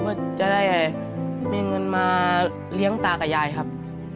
เพื่อจะได้มีเงินมาเลี้ยงตากับยายครับ